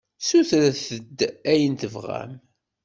Ssutret-d ayen tebɣam!